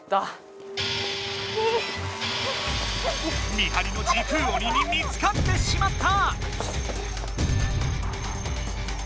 見張りの時空鬼に見つかってしまった！